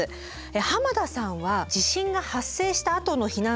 濱田さんは地震が発生したあとの避難生活